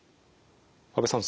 阿部さん